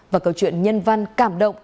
và câu chuyện nhân văn cảm động